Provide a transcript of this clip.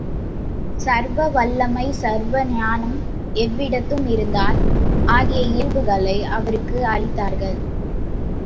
சர்வ வல்லமை, சர்வ ஞானம், எவ்விடத்தும் இருத்தல் ஆகிய இயல்புகளை அவருக்கு அளித் தார்கள்.